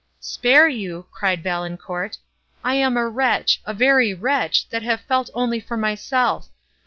"Spare you!" cried Valancourt, "I am a wretch—a very wretch, that have felt only for myself!